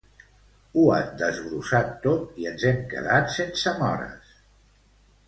Ho han desbrossat tot i ens hem quedat sense mores